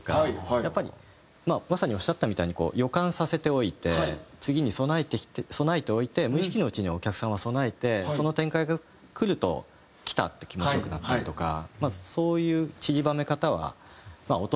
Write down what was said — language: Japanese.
やっぱりまあまさにおっしゃったみたいに予感させておいて次に備えておいて無意識のうちにお客さんは備えてその展開がくるときた！って気持ち良くなったりとかまあそういうちりばめ方は音でも絵でもやりますよね。